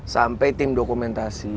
sampai tim dokumentasi